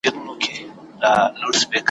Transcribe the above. نیمي مړۍ ته تر بازاره یوسي ,